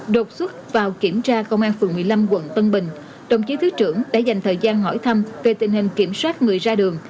đột xuất vào kiểm tra công an phường một mươi năm quận tân bình đồng chí thứ trưởng đã dành thời gian hỏi thăm về tình hình kiểm soát người ra đường